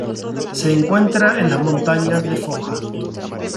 Se encuentra en las montañas de Foja.